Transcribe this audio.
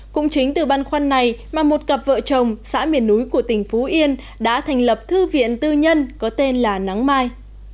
cũng chính từ băn khoăn này mà một cặp vợ chồng xã miền núi của tỉnh phú yên đã thành lập thư viện tư nhân có tên là nắng mai